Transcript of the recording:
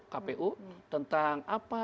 kpu tentang apa